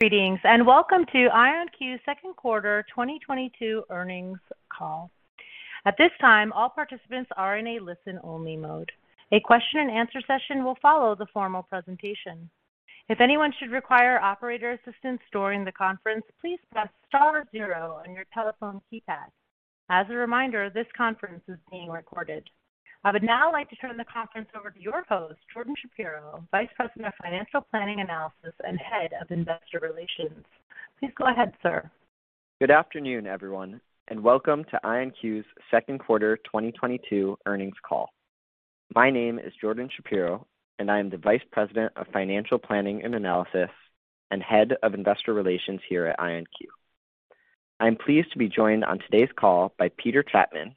Greetings, and welcome to IonQ's second quarter 2022 earnings call. At this time, all participants are in a listen-only mode. A question-and-answer session will follow the formal presentation. If anyone should require operator assistance during the conference, please press star zero on your telephone keypad. As a reminder, this conference is being recorded. I would now like to turn the conference over to your host, Jordan Shapiro, Vice President of Financial Planning Analysis and Head of Investor Relations. Please go ahead, sir. Good afternoon, everyone, and welcome to IonQ's second quarter 2022 earnings call. My name is Jordan Shapiro, and I am the Vice President of Financial Planning and Analysis and Head of Investor Relations here at IonQ. I'm pleased to be joined on today's call by Peter Chapman,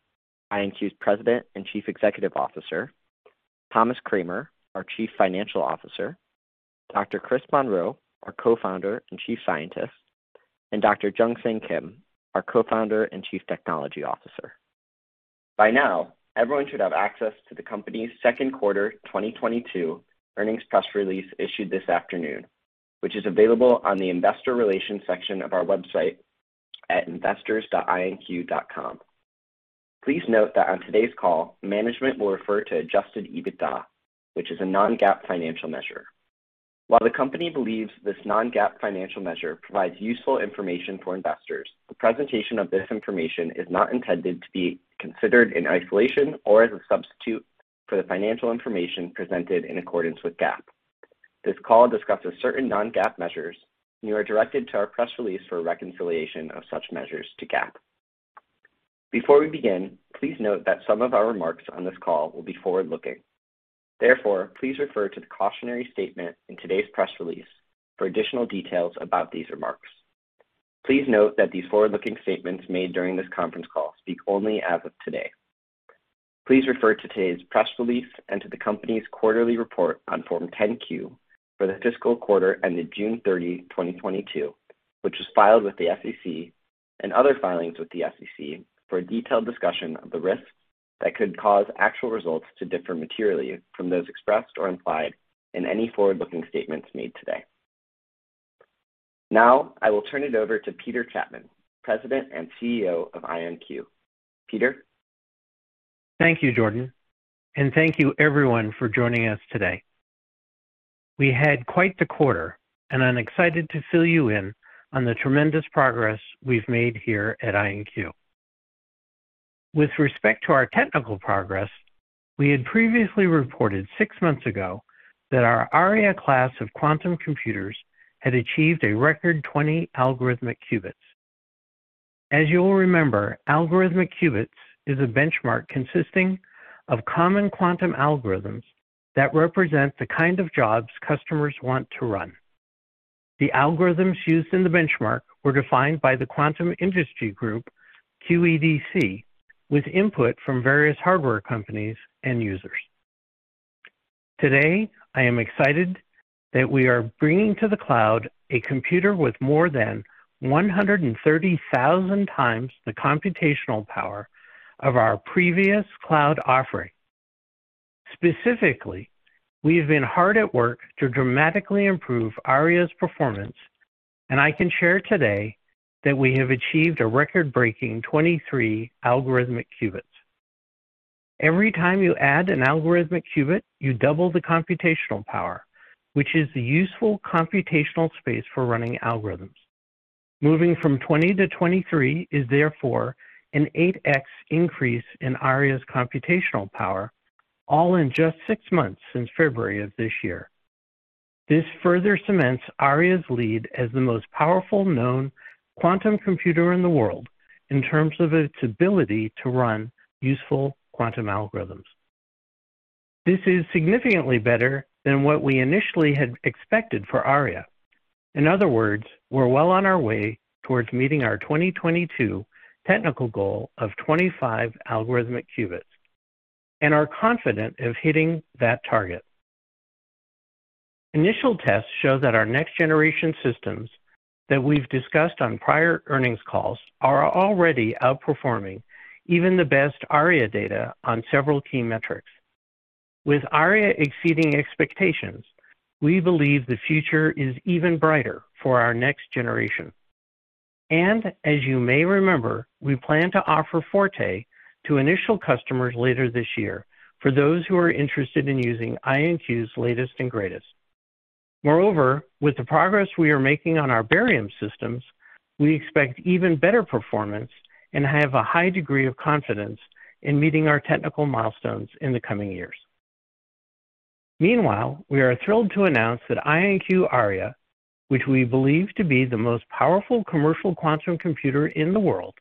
IonQ's President and Chief Executive Officer, Thomas Kramer, our Chief Financial Officer, Dr. Chris Monroe, our Co-founder and Chief Scientist, and Dr. Jungsang Kim, our Co-founder and Chief Technology Officer. By now, everyone should have access to the company's second quarter 2022 earnings press release issued this afternoon, which is available on the investor relations section of our website at investors.ionq.com. Please note that on today's call, management will refer to Adjusted EBITDA, which is a non-GAAP financial measure. While the company believes this non-GAAP financial measure provides useful information for investors, the presentation of this information is not intended to be considered in isolation or as a substitute for the financial information presented in accordance with GAAP. This call discusses certain non-GAAP measures, and you are directed to our press release for a reconciliation of such measures to GAAP. Before we begin, please note that some of our remarks on this call will be forward-looking. Therefore, please refer to the cautionary statement in today's press release for additional details about these remarks. Please note that these forward-looking statements made during this conference call speak only as of today. Please refer to today's press release and to the company's quarterly report on Form 10-Q for the fiscal quarter ended June 30, 2022, which was filed with the SEC, and other filings with the SEC for a detailed discussion of the risks that could cause actual results to differ materially from those expressed or implied in any forward-looking statements made today. Now, I will turn it over to Peter Chapman, President and CEO of IonQ. Peter? Thank you, Jordan, and thank you everyone for joining us today. We had quite the quarter, and I'm excited to fill you in on the tremendous progress we've made here at IonQ. With respect to our technical progress, we had previously reported six months ago that our Aria class of quantum computers had achieved a record 20 algorithmic qubits. As you'll remember, algorithmic qubits is a benchmark consisting of common quantum algorithms that represent the kind of jobs customers want to run. The algorithms used in the benchmark were defined by the quantum industry group QED-C with input from various hardware companies and users. Today, I am excited that we are bringing to the cloud a computer with more than 130,000 times the computational power of our previous cloud offering. Specifically, we have been hard at work to dramatically improve Aria's performance, and I can share today that we have achieved a record-breaking 23 algorithmic qubits. Every time you add an algorithmic qubit, you double the computational power, which is the useful computational space for running algorithms. Moving from 20 to 23 is therefore an 8x increase in Aria's computational power, all in just 6 months since February of this year. This further cements Aria's lead as the most powerful known quantum computer in the world in terms of its ability to run useful quantum algorithms. This is significantly better than what we initially had expected for Aria. In other words, we're well on our way towards meeting our 2022 technical goal of 25 algorithmic qubits and are confident of hitting that target. Initial tests show that our next-generation systems that we've discussed on prior earnings calls are already outperforming even the best Aria data on several key metrics. With Aria exceeding expectations, we believe the future is even brighter for our next generation. As you may remember, we plan to offer Forte to initial customers later this year for those who are interested in using IonQ's latest and greatest. Moreover, with the progress we are making on our Barium systems, we expect even better performance and have a high degree of confidence in meeting our technical milestones in the coming years. Meanwhile, we are thrilled to announce that IonQ Aria, which we believe to be the most powerful commercial quantum computer in the world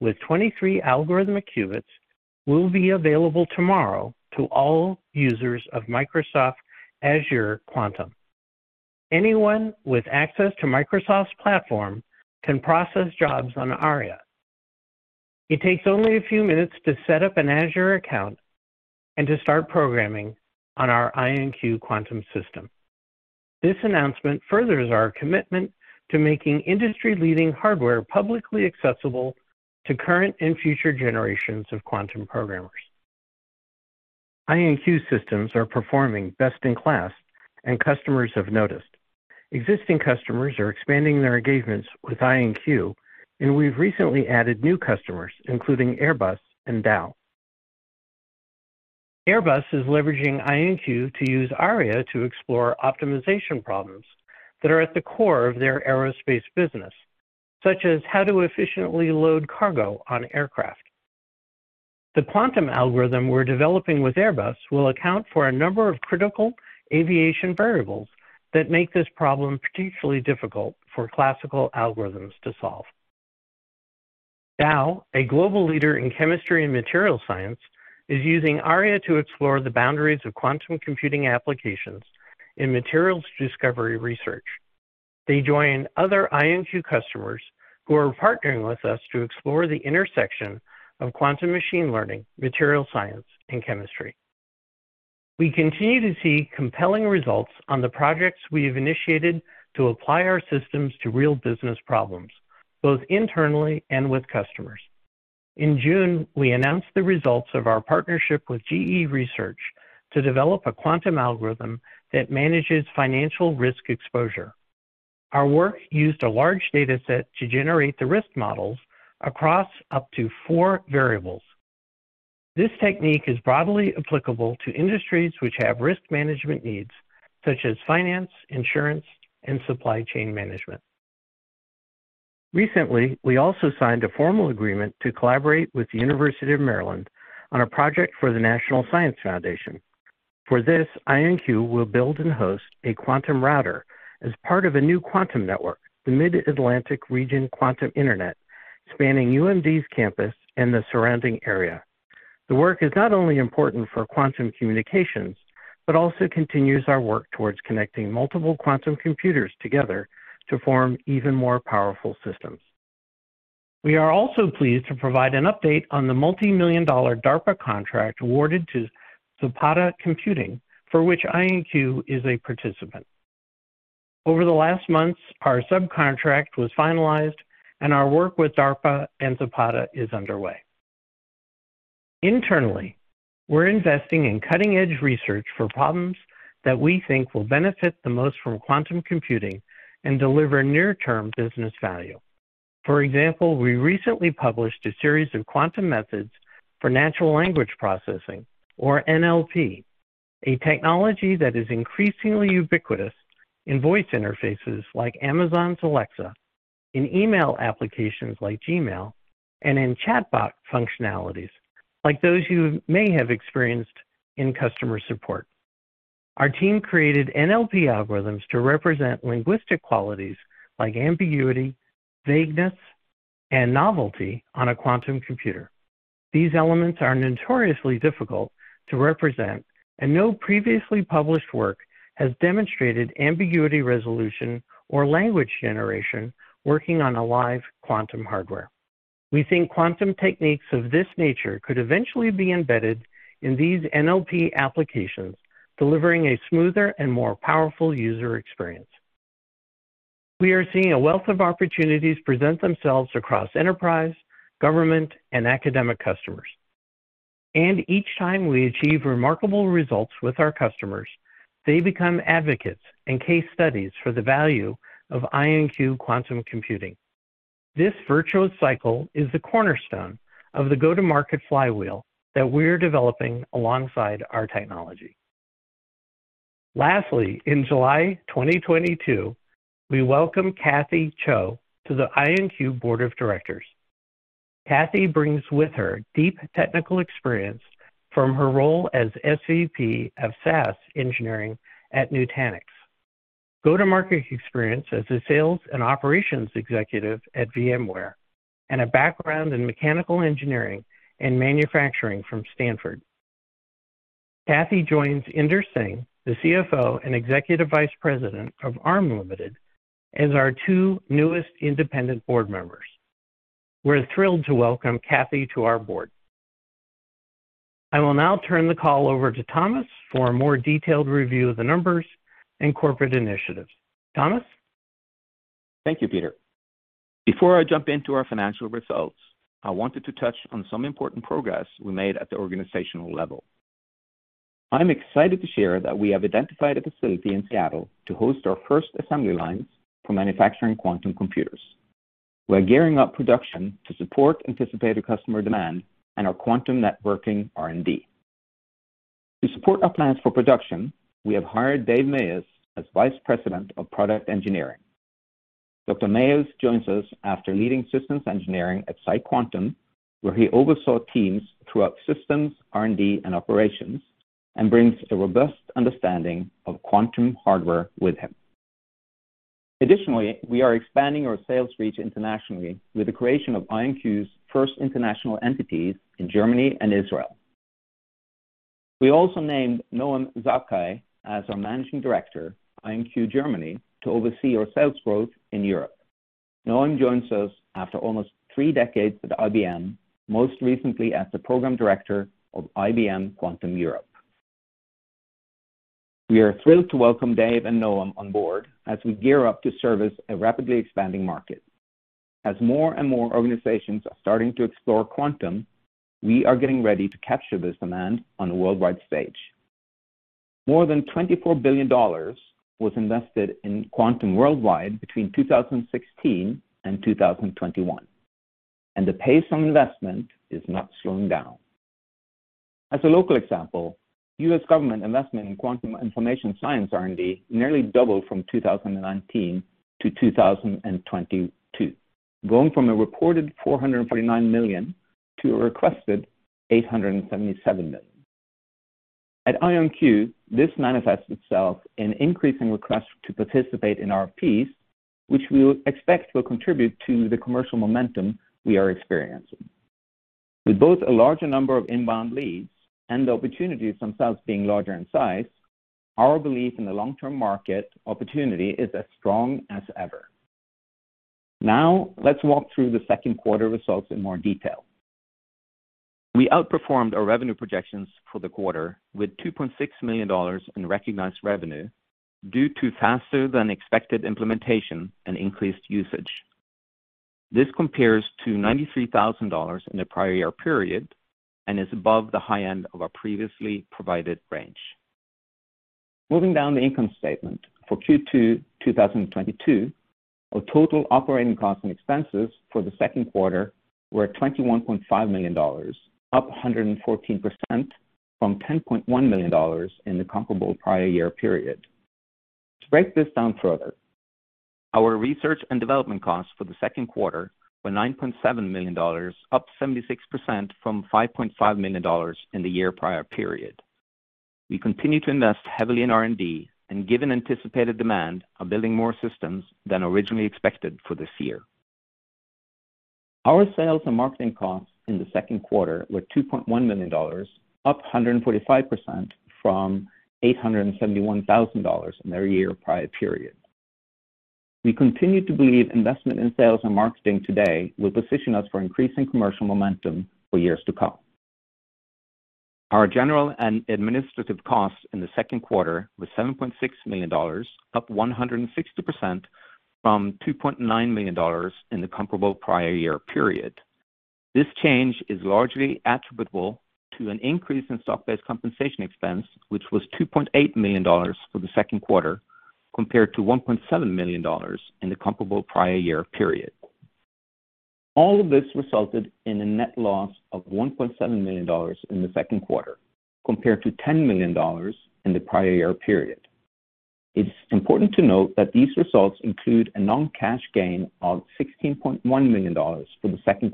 with 23 algorithmic qubits, will be available tomorrow to all users of Microsoft Azure Quantum. Anyone with access to Microsoft's platform can process jobs on Aria. It takes only a few minutes to set up an Azure account and to start programming on our IonQ quantum system. This announcement furthers our commitment to making industry-leading hardware publicly accessible to current and future generations of quantum programmers. IonQ systems are performing best in class and customers have noticed. Existing customers are expanding their engagements with IonQ, and we've recently added new customers, including Airbus and Dow. Airbus is leveraging IonQ to use Aria to explore optimization problems that are at the core of their aerospace business, such as how to efficiently load cargo on aircraft. The quantum algorithm we're developing with Airbus will account for a number of critical aviation variables that make this problem particularly difficult for classical algorithms to solve. Dow, a global leader in chemistry and material science, is using Aria to explore the boundaries of quantum computing applications in materials discovery research. They join other IonQ customers who are partnering with us to explore the intersection of quantum machine learning, material science, and chemistry. We continue to see compelling results on the projects we have initiated to apply our systems to real business problems, both internally and with customers. In June, we announced the results of our partnership with GE Research to develop a quantum algorithm that manages financial risk exposure. Our work used a large dataset to generate the risk models across up to 4 variables. This technique is broadly applicable to industries which have risk management needs, such as finance, insurance, and supply chain management. Recently, we also signed a formal agreement to collaborate with the University of Maryland on a project for the National Science Foundation. For this, IonQ will build and host a quantum router as part of a new quantum network, the Mid-Atlantic Region Quantum Internet, spanning UMD's campus and the surrounding area. The work is not only important for quantum communications but also continues our work towards connecting multiple quantum computers together to form even more powerful systems. We are also pleased to provide an update on the $multi-million-dollar DARPA contract awarded to Zapata Computing, for which IonQ is a participant. Over the last months, our subcontract was finalized, and our work with DARPA and Zapata is underway. Internally, we're investing in cutting-edge research for problems that we think will benefit the most from quantum computing and deliver near-term business value. For example, we recently published a series of quantum methods for natural language processing, or NLP, a technology that is increasingly ubiquitous in voice interfaces like Amazon's Alexa, in email applications like Gmail, and in chatbot functionalities like those you may have experienced in customer support. Our team created NLP algorithms to represent linguistic qualities like ambiguity, vagueness, and novelty on a quantum computer. These elements are notoriously difficult to represent, and no previously published work has demonstrated ambiguity resolution or language generation working on a live quantum hardware. We think quantum techniques of this nature could eventually be embedded in these NLP applications, delivering a smoother and more powerful user experience. We are seeing a wealth of opportunities present themselves across enterprise, government, and academic customers. Each time we achieve remarkable results with our customers, they become advocates and case studies for the value of IonQ quantum computing. This virtuous cycle is the cornerstone of the go-to-market flywheel that we're developing alongside our technology. Lastly, in July 2022, we welcomed Kathy Chou to the IonQ board of directors. Kathy brings with her deep technical experience from her role as SVP of SaaS engineering at Nutanix, go-to-market experience as a sales and operations executive at VMware, and a background in mechanical engineering and manufacturing from Stanford. Kathy joins Inder M. Singh, the CFO and executive vice president of Arm Limited, as our two newest independent board members. We're thrilled to welcome Kathy to our board. I will now turn the call over to Thomas for a more detailed review of the numbers and corporate initiatives. Thomas? Thank you, Peter. Before I jump into our financial results, I wanted to touch on some important progress we made at the organizational level. I'm excited to share that we have identified a facility in Seattle to host our first assembly lines for manufacturing quantum computers. We're gearing up production to support anticipated customer demand and our quantum networking R&D. To support our plans for production, we have hired Dean Kassmann as Vice President of Product Engineering. Dr. Kassmann joins us after leading systems engineering at PsiQuantum, where he oversaw teams throughout systems, R&D, and operations, and brings a robust understanding of quantum hardware with him. Additionally, we are expanding our sales reach internationally with the creation of IonQ's first international entities in Germany and Israel. We also named Noam Zakai as our Managing Director, IonQ GmbH, to oversee our sales growth in Europe. Noam Zakai joins us after almost three decades with IBM, most recently as the program director of IBM Quantum Europe. We are thrilled to welcome Dean Kassmann and Noam Zakai on board as we gear up to service a rapidly expanding market. As more and more organizations are starting to explore quantum, we are getting ready to capture this demand on a worldwide stage. More than $24 billion was invested in quantum worldwide between 2016 and 2021, and the pace of investment is not slowing down. As a local example, U.S. government investment in quantum information science R&D nearly doubled from 2019 to 2022, going from a reported $449 million to a requested $877 million. At IonQ, this manifests itself in increasing requests to participate in RFPs, which we expect will contribute to the commercial momentum we are experiencing. With both a larger number of inbound leads and the opportunities themselves being larger in size, our belief in the long-term market opportunity is as strong as ever. Now, let's walk through the second quarter results in more detail. We outperformed our revenue projections for the quarter with $2.6 million in recognized revenue due to faster than expected implementation and increased usage. This compares to $93,000 in the prior year period and is above the high end of our previously provided range. Moving down the income statement for Q2 2022, our total operating costs and expenses for the second quarter were $21.5 million, up 114% from $10.1 million in the comparable prior year period. To break this down further, our research and development costs for the second quarter were $9.7 million, up 76% from $5.5 million in the prior year period. We continue to invest heavily in R&D and given anticipated demand, are building more systems than originally expected for this year. Our sales and marketing costs in the second quarter were $2.1 million, up 145% from $871 thousand in the prior year period. We continue to believe investment in sales and marketing today will position us for increasing commercial momentum for years to come. Our general and administrative costs in the second quarter was $7.6 million, up 160% from $2.9 million in the comparable prior year period. This change is largely attributable to an increase in stock-based compensation expense, which was $2.8 million for the second quarter, compared to $1.7 million in the comparable prior year period. All of this resulted in a net loss of $1.7 million in the second quarter compared to $10 million in the prior year period. It's important to note that these results include a non-cash gain of $16.1 million for the second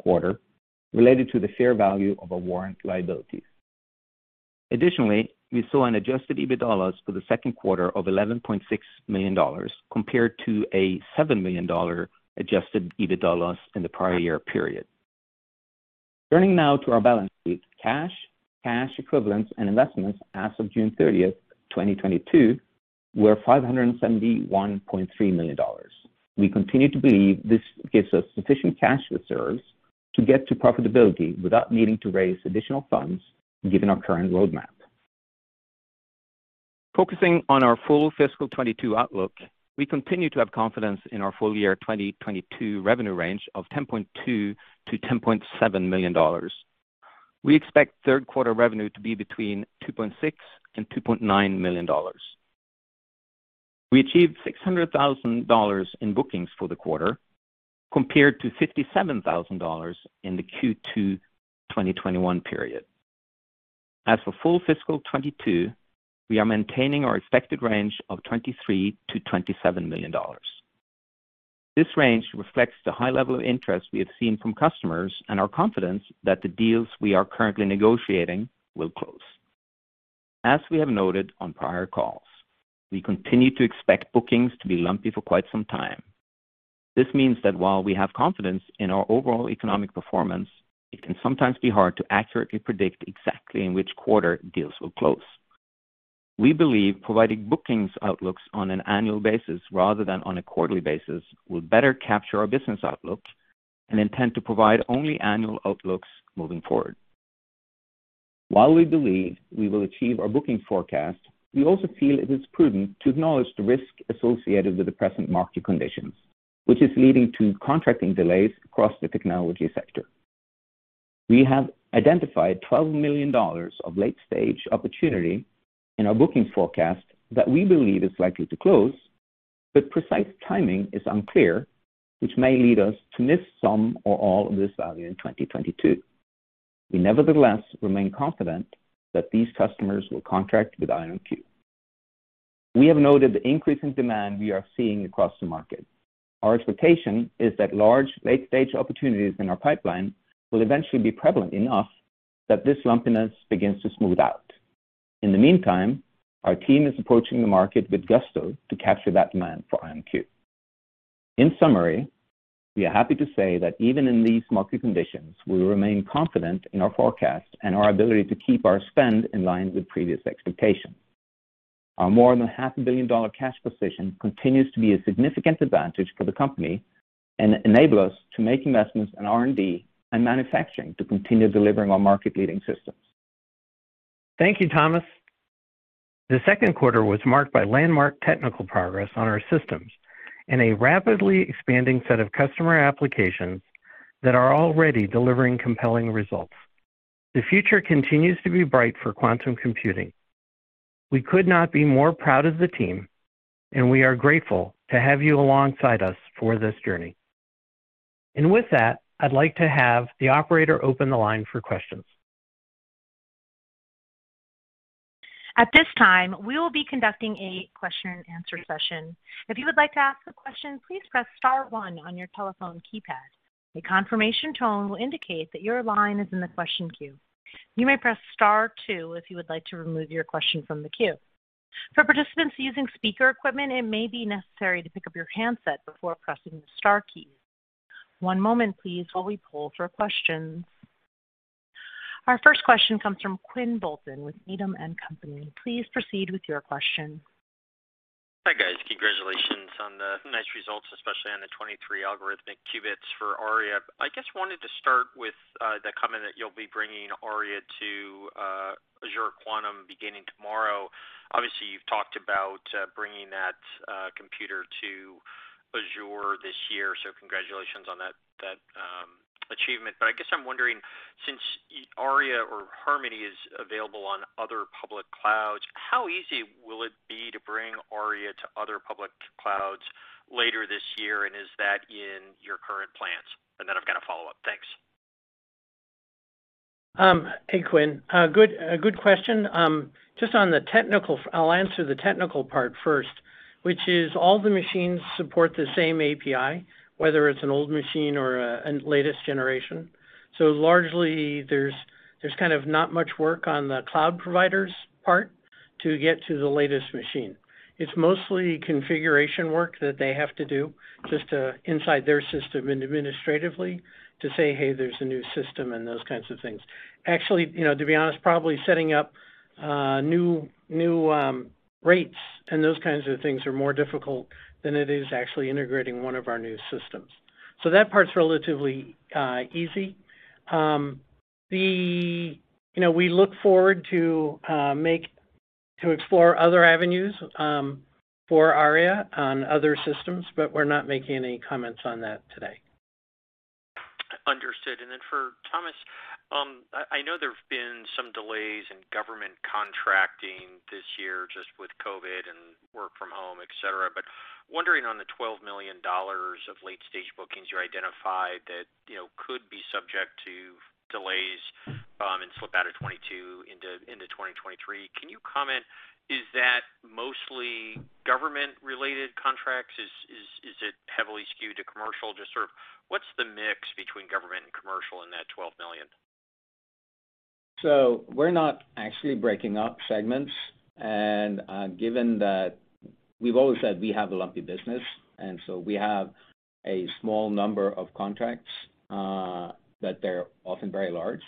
quarter related to the fair value of a warrant liability. Additionally, we saw an Adjusted EBITDA loss for the second quarter of $11.6 million compared to a $7 million Adjusted EBITDA loss in the prior year period. Turning now to our balance sheet, cash equivalents and investments as of June 30, 2022 were $571.3 million. We continue to believe this gives us sufficient cash reserves to get to profitability without needing to raise additional funds given our current roadmap. Focusing on our full fiscal 2022 outlook, we continue to have confidence in our full year 2022 revenue range of $10.2 million-$10.7 million. We expect third quarter revenue to be between $2.6 million and $2.9 million. We achieved $600,000 in bookings for the quarter compared to $57,000 in the Q2 2021 period. As for full fiscal 2022, we are maintaining our expected range of $23 million-$27 million. This range reflects the high level of interest we have seen from customers and our confidence that the deals we are currently negotiating will close. As we have noted on prior calls, we continue to expect bookings to be lumpy for quite some time. This means that while we have confidence in our overall economic performance, it can sometimes be hard to accurately predict exactly in which quarter deals will close. We believe providing bookings outlooks on an annual basis rather than on a quarterly basis will better capture our business outlook and intend to provide only annual outlooks moving forward. While we believe we will achieve our booking forecast, we also feel it is prudent to acknowledge the risk associated with the present market conditions, which is leading to contracting delays across the technology sector. We have identified $12 million of late-stage opportunity in our booking forecast that we believe is likely to close, but precise timing is unclear, which may lead us to miss some or all of this value in 2022. We nevertheless remain confident that these customers will contract with IonQ. We have noted the increase in demand we are seeing across the market. Our expectation is that large, late-stage opportunities in our pipeline will eventually be prevalent enough that this lumpiness begins to smooth out. In the meantime, our team is approaching the market with gusto to capture that demand for IonQ. In summary, we are happy to say that even in these market conditions, we remain confident in our forecast and our ability to keep our spend in line with previous expectations. Our more than half a billion-dollar cash position continues to be a significant advantage for the company and enable us to make investments in R&D and manufacturing to continue delivering on market-leading systems. Thank you, Thomas. The second quarter was marked by landmark technical progress on our systems and a rapidly expanding set of customer applications that are already delivering compelling results. The future continues to be bright for quantum computing. We could not be more proud of the team, and we are grateful to have you alongside us for this journey. With that, I'd like to have the operator open the line for questions. At this time, we will be conducting a question and answer session. If you would like to ask a question, please press star one on your telephone keypad. A confirmation tone will indicate that your line is in the question queue. You may press star two if you would like to remove your question from the queue. For participants using speaker equipment, it may be necessary to pick up your handset before pressing the star key. One moment please while we poll for questions. Our first question comes from Quinn Bolton with Needham & Company. Please proceed with your question. Hi, guys. Congratulations on the nice results, especially on the 23 algorithmic qubits for Aria. I just wanted to start with the comment that you'll be bringing Aria to Azure Quantum beginning tomorrow. Obviously, you've talked about bringing that computer to Azure this year, so congratulations on that achievement. I guess I'm wondering, since Aria or Harmony is available on other public clouds, how easy will it be to bring Aria to other public clouds later this year? Is that in your current plans? Then I've got a follow-up. Thanks. Hey, Quinn. A good question. Just on the technical. I'll answer the technical part first, which is all the machines support the same API, whether it's an old machine or a latest generation. Largely there's kind of not much work on the cloud provider's part to get to the latest machine. It's mostly configuration work that they have to do just inside their system administratively to say, "Hey, there's a new system," and those kinds of things. Actually, you know, to be honest, probably setting up new rates and those kinds of things are more difficult than it is actually integrating one of our new systems. That part's relatively easy. You know, we look forward to explore other avenues for Aria on other systems, but we're not making any comments on that today. Understood. Then for Thomas, I know there have been some delays in government contracting this year just with COVID and work from home, et cetera. Wondering on the $12 million of late-stage bookings you identified that, you know, could be subject to delays, and slip out of 2022 into 2023. Can you comment, is that mostly government-related contracts? Is it heavily skewed to commercial? Just sort of what's the mix between government and commercial in that $12 million? We're not actually breaking up segments. Given that we've always said we have a lumpy business, we have a small number of contracts, but they're often very large.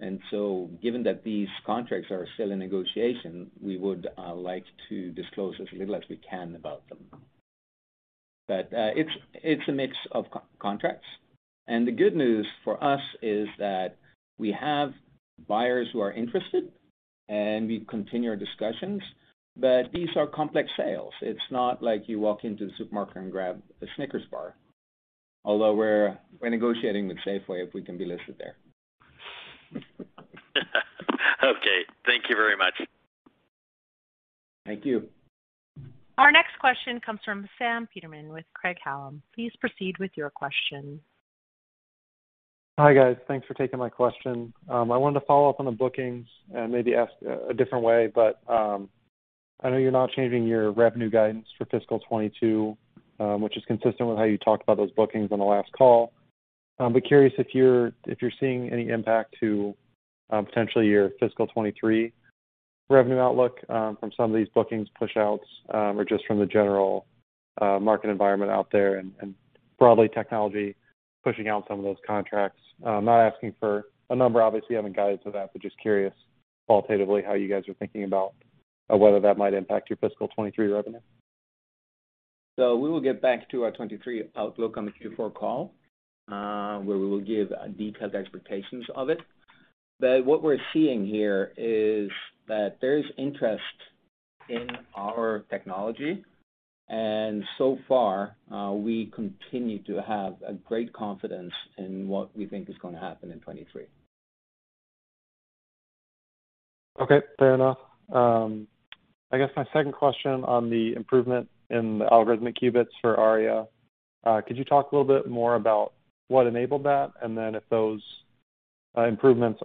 Given that these contracts are still in negotiation, we would like to disclose as little as we can about them. It's a mix of contracts. The good news for us is that we have buyers who are interested, and we continue our discussions. These are complex sales. It's not like you walk into the supermarket and grab a Snickers bar. Although we're negotiating with Safeway, if we can be listed there. Okay. Thank you very much. Thank you. Our next question comes from Richard Shannon with Craig-Hallum. Please proceed with your question. Hi, guys. Thanks for taking my question. I wanted to follow up on the bookings and maybe ask a different way, but I know you're not changing your revenue guidance for fiscal 2022, which is consistent with how you talked about those bookings on the last call. Curious if you're seeing any impact to potentially your fiscal 2023 revenue outlook from some of these bookings push outs or just from the general market environment out there and broadly technology pushing out some of those contracts. I'm not asking for a number, obviously you haven't guided to that, but just curious qualitatively how you guys are thinking about whether that might impact your fiscal 2023 revenue. We will get back to our 2023 outlook on the Q4 call, where we will give detailed expectations of it. What we're seeing here is that there is interest in our technology, and so far, we continue to have a great confidence in what we think is gonna happen in 2023. Okay. Fair enough. I guess my second question on the improvement in the algorithmic qubits for Aria, could you talk a little bit more about what enabled that? If those improvements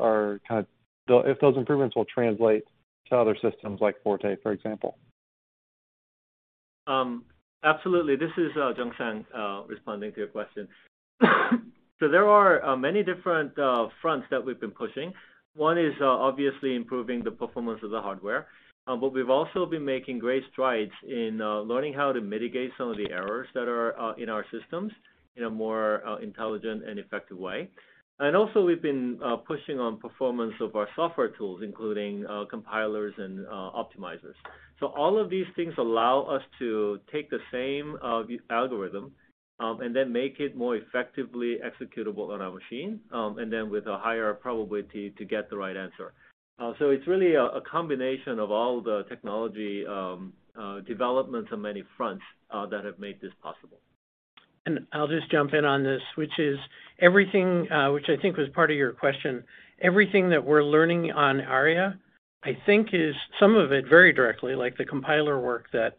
will translate to other systems like Forte, for example. Absolutely. This is Jungsang responding to your question. There are many different fronts that we've been pushing. One is obviously improving the performance of the hardware, but we've also been making great strides in learning how to mitigate some of the errors that are in our systems in a more intelligent and effective way. We've also been pushing on performance of our software tools, including compilers and optimizers. All of these things allow us to take the same algorithm and then make it more effectively executable on our machine and then with a higher probability to get the right answer. It's really a combination of all the technology developments on many fronts that have made this possible. I'll just jump in on this, which is everything, which I think was part of your question, everything that we're learning on Aria, I think is some of it very directly, like the compiler work that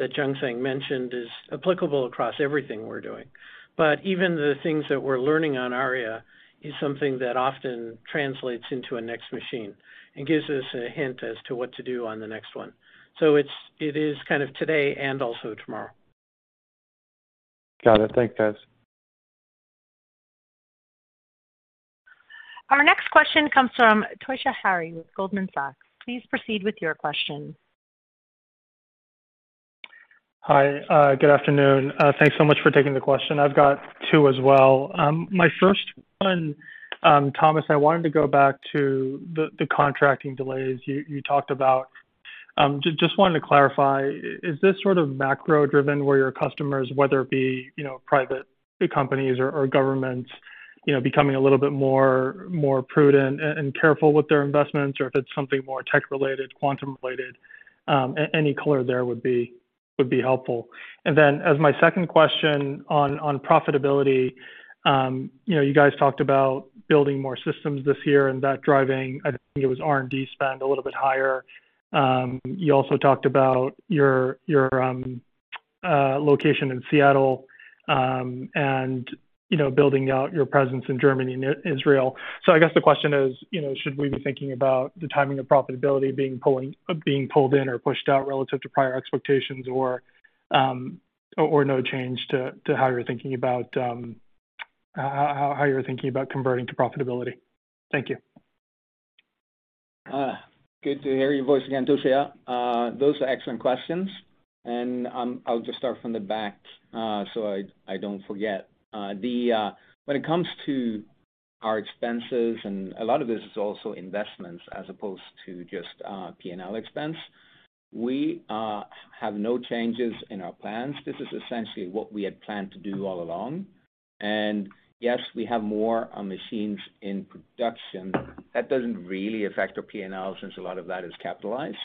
Jungsang Kim mentioned, is applicable across everything we're doing. Even the things that we're learning on Aria is something that often translates into a next machine and gives us a hint as to what to do on the next one. It is kind of today and also tomorrow. Got it. Thanks, guys. Our next question comes from Toshiya Hari with Goldman Sachs. Please proceed with your question. Hi. Good afternoon. Thanks so much for taking the question. I've got two as well. My first one, Thomas, I wanted to go back to the contracting delays you talked about. Just wanted to clarify, is this sort of macro-driven where your customers, whether it be, you know, private companies or government, you know, becoming a little bit more prudent and careful with their investments, or if it's something more tech-related, quantum related, any color there would be helpful. Then as my second question on profitability, you know, you guys talked about building more systems this year and that driving, I think it was R&D spend a little bit higher. You also talked about your location in Seattle, and, you know, building out your presence in Germany and Israel. I guess the question is, you know, should we be thinking about the timing of profitability being pulled in or pushed out relative to prior expectations or no change to how you're thinking about converting to profitability? Thank you. Good to hear your voice again, Toshiya. Those are excellent questions. I'll just start from the back, so I don't forget. When it comes to our expenses, and a lot of this is also investments as opposed to just P&L expense, we have no changes in our plans. This is essentially what we had planned to do all along. Yes, we have more machines in production. That doesn't really affect our P&L since a lot of that is capitalized.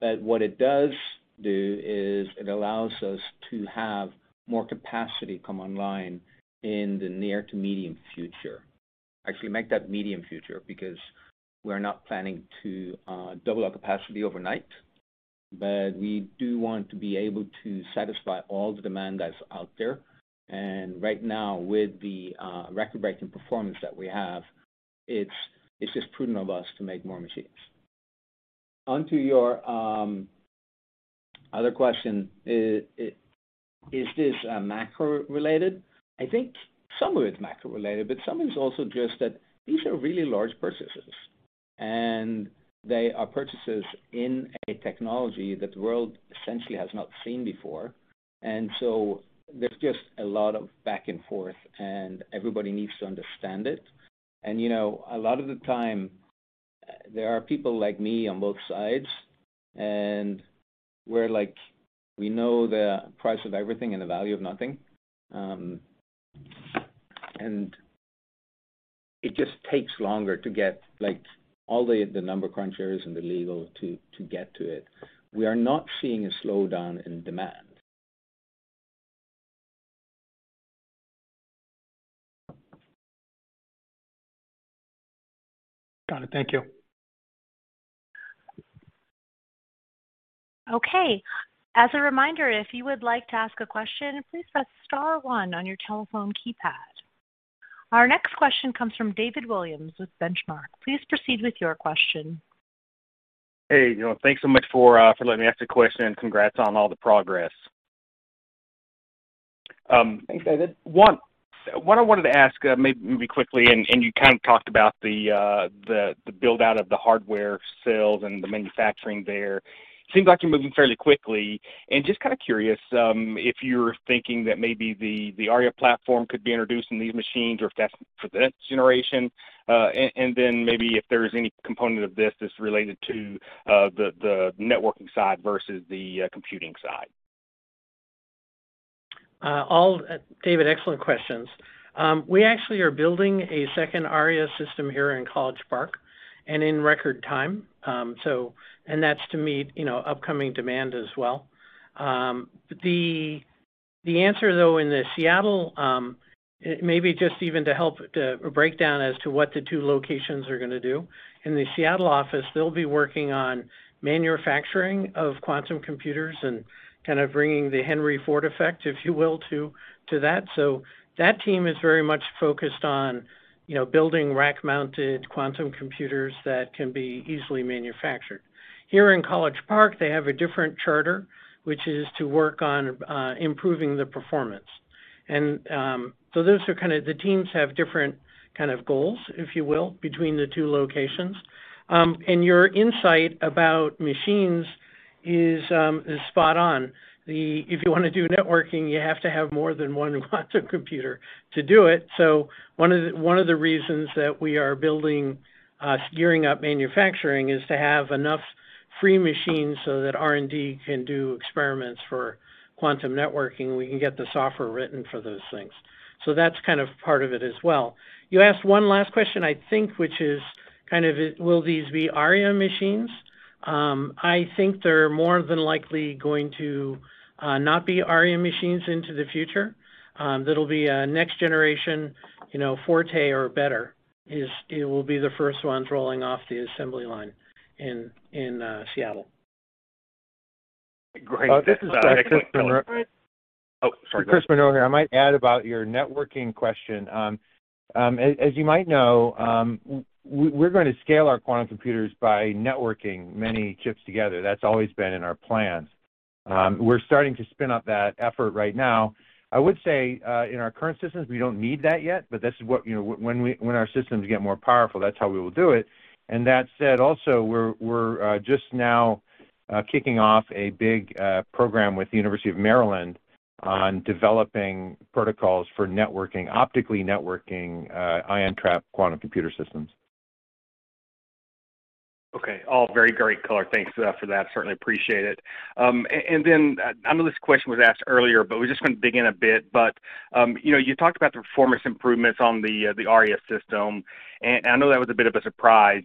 What it does do is it allows us to have more capacity come online in the near to medium future. Actually, make that medium future, because we're not planning to double our capacity overnight. We do want to be able to satisfy all the demand that's out there. Right now, with the record-breaking performance that we have, it's just prudent of us to make more machines. On to your other question. Is this macro-related? I think some of it's macro-related, but some is also just that these are really large purchases, and they are purchases in a technology that the world essentially has not seen before. You know, a lot of the time there are people like me on both sides, and we're like, we know the price of everything and the value of nothing. It just takes longer to get like all the number crunchers and the legal to get to it. We are not seeing a slowdown in demand. Got it. Thank you. Okay. As a reminder, if you would like to ask a question, please press star one on your telephone keypad. Our next question comes from David Williams with Benchmark. Please proceed with your question. Hey, you know, thanks so much for letting me ask a question, and congrats on all the progress. Thanks, David. One, what I wanted to ask, maybe quickly, and you kind of talked about the build-out of the hardware sales and the manufacturing there. Seems like you're moving fairly quickly. Just kind of curious, if you're thinking that maybe the Aria platform could be introduced in these machines or if that's for the next generation, and then maybe if there's any component of this that's related to the networking side versus the computing side. David, excellent questions. We actually are building a second Aria system here in College Park and in record time. That's to meet, you know, upcoming demand as well. The answer, though, in the Seattle, maybe just even to help to break down as to what the two locations are gonna do, in the Seattle office, they'll be working on manufacturing of quantum computers and kind of bringing the Henry Ford effect, if you will, to that. That team is very much focused on, you know, building rack-mounted quantum computers that can be easily manufactured. Here in College Park, they have a different charter, which is to work on improving the performance. Those are kind of the teams have different kind of goals, if you will, between the two locations. Your insight about machines is spot on. If you wanna do networking, you have to have more than one quantum computer to do it. One of the reasons that we are building, gearing up manufacturing is to have enough free machines so that R&D can do experiments for quantum networking. We can get the software written for those things. That's kind of part of it as well. You asked one last question, I think, which is kind of, will these be Aria machines? I think they're more than likely going to not be Aria machines into the future. That'll be a next generation, you know, Forte or better, it will be the first ones rolling off the assembly line in Seattle. Great. This is Christopher Monroe. Oh, sorry. Go ahead. Christopher Monroe here. I might add about your networking question. As you might know, we're gonna scale our quantum computers by networking many chips together. That's always been in our plans. We're starting to spin up that effort right now. I would say, in our current systems, we don't need that yet, but this is what, you know, when our systems get more powerful, that's how we will do it. That said, also, we're just now kicking off a big program with the University of Maryland on developing protocols for networking, optically networking, ion trap quantum computer systems. Okay. All very great color. Thanks for that. Certainly appreciate it. And then I know this question was asked earlier, but we're just gonna dig in a bit. You know, you talked about the performance improvements on the Aria system, and I know that was a bit of a surprise.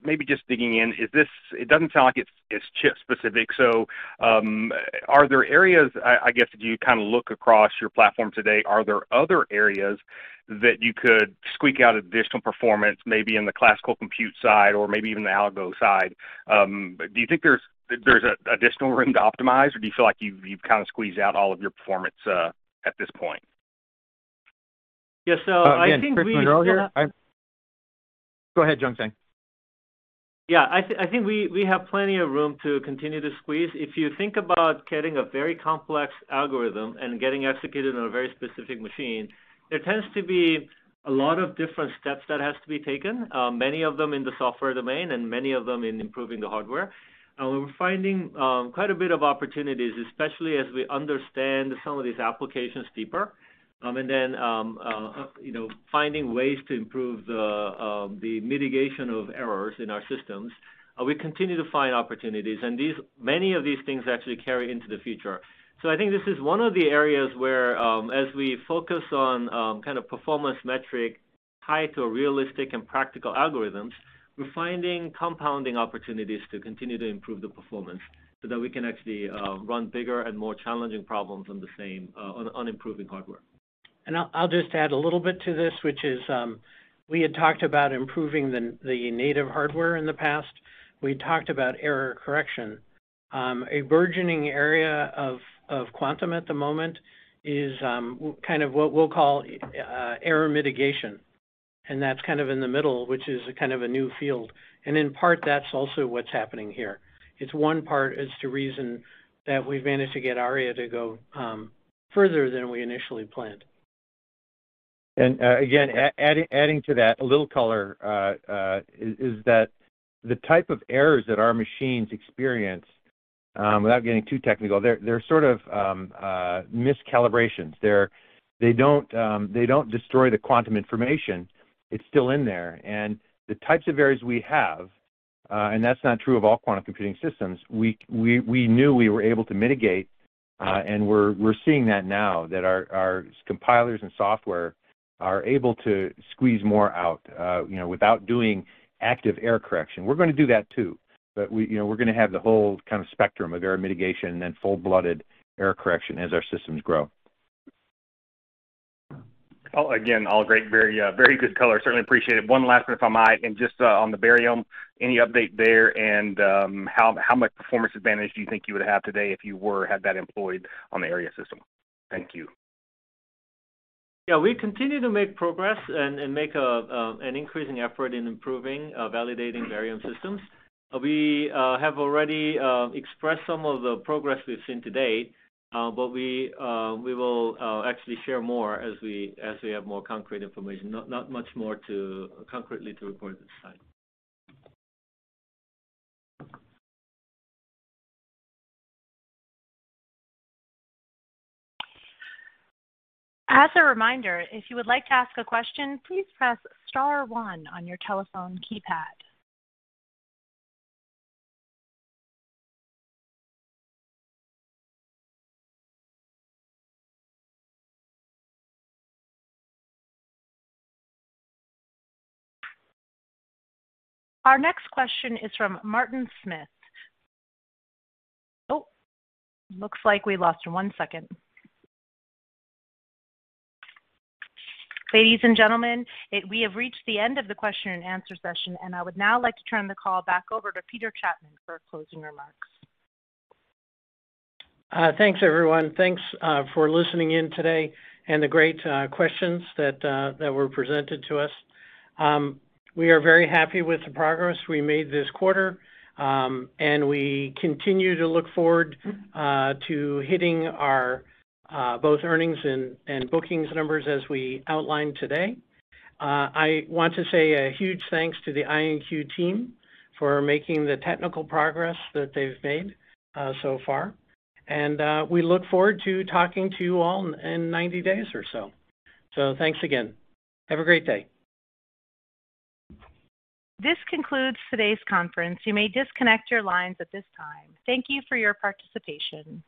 Maybe just digging in, is this? It doesn't sound like it's chip-specific. Are there areas, I guess, as you kinda look across your platform today, are there other areas that you could squeak out additional performance, maybe in the classical compute side or maybe even the algo side? Do you think there's additional room to optimize, or do you feel like you've kinda squeezed out all of your performance at this point? I think we still have Again, Christopher Monroe here. Go ahead, Jungsang. Yeah. I think we have plenty of room to continue to squeeze. If you think about getting a very complex algorithm and getting executed on a very specific machine, there tends to be a lot of different steps that has to be taken, many of them in the software domain and many of them in improving the hardware. We're finding quite a bit of opportunities, especially as we understand some of these applications deeper, and then you know, finding ways to improve the mitigation of errors in our systems. We continue to find opportunities, and many of these things actually carry into the future. I think this is one of the areas where, as we focus on, kind of performance metric tied to realistic and practical algorithms, we're finding compounding opportunities to continue to improve the performance so that we can actually run bigger and more challenging problems on the same improving hardware. I'll just add a little bit to this, which is, we had talked about improving the native hardware in the past. We talked about error correction. A burgeoning area of quantum at the moment is, kind of what we'll call, error mitigation, and that's kind of in the middle, which is a kind of a new field. In part, that's also what's happening here. It's one part of the reason that we've managed to get Aria to go further than we initially planned. Again, adding to that, a little color is that the type of errors that our machines experience, without getting too technical, they're sort of miscalibrations. They don't destroy the quantum information. It's still in there. The types of errors we have, and that's not true of all quantum computing systems, we knew we were able to mitigate, and we're seeing that now that our compilers and software are able to squeeze more out, you know, without doing active error correction. We're gonna do that too, but we, you know, we're gonna have the whole kind of spectrum of error mitigation and full-blooded error correction as our systems grow. Again, all great, very, very good color. Certainly appreciate it. One last one, if I might, and just, on the Barium, any update there? How much performance advantage do you think you would have today if you were had that employed on the Aria system? Thank you. Yeah. We continue to make progress and make an increasing effort in improving validating Barium systems. We have already expressed some of the progress we've seen to date, but we will actually share more as we have more concrete information. Not much more to concretely report at this time. As a reminder, if you would like to ask a question, please press star one on your telephone keypad. Our next question is from Martin Smith. Oh, looks like we lost him. One second. Ladies and gentlemen, we have reached the end of the question and answer session, and I would now like to turn the call back over to Peter Chapman for closing remarks. Thanks, everyone. Thanks for listening in today and the great questions that were presented to us. We are very happy with the progress we made this quarter, and we continue to look forward to hitting our both earnings and bookings numbers as we outlined today. I want to say a huge thanks to the IonQ team for making the technical progress that they've made so far. We look forward to talking to you all in 90 days or so. Thanks again. Have a great day. This concludes today's conference. You may disconnect your lines at this time. Thank you for your participation.